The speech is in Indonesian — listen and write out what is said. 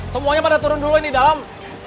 semuanya pada turun dulu ini dalam